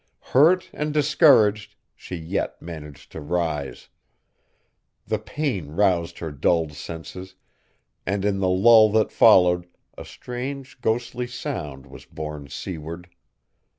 Hurt and discouraged, she yet managed to rise. The pain roused her dulled senses and in the lull that followed a strange ghostly sound was borne seaward.